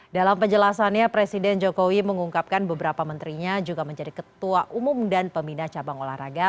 dalam penjelasannya presiden jokowi mengungkapkan beberapa menterinya juga menjadi ketua umum dan pembina cabang olahraga